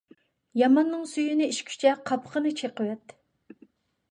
ياماننىڭ سۈيىنى ئىچكۈچە، قاپىقىنى چېقىۋەت.